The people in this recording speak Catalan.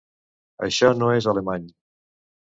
Això no és alemany.